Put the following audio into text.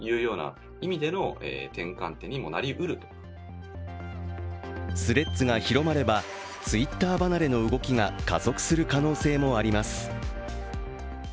Ｔｈｒｅａｄｓが広まれば、Ｔｗｉｔｔｅｒ離れの動きが加速する可能性もあります。